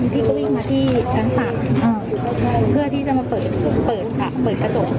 พี่ก็วิ่งมาที่ชั้น๓เพื่อที่จะมาเปิดค่ะเปิดกระจก